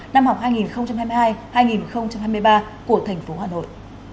năm học hai nghìn hai mươi hai hai nghìn hai mươi ba của thành phố hà nội